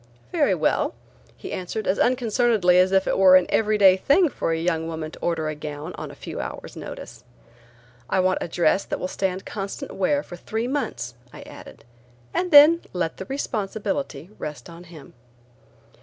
"Very well," he answered as unconcernedly as if it were an everyday thing for a young woman to order a gown on a few hours' notice. "I want a dress that will stand constant wear for three months," I added, and then let the responsibility rest on him.